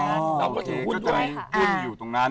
อยู่ด้วยค่ะ